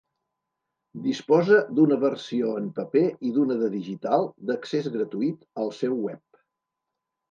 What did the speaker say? Disposa d'una versió en paper i d'una de digital, d'accés gratuït al seu web.